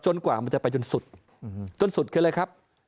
กว่ามันจะไปจนสุดจนสุดคืออะไรครับ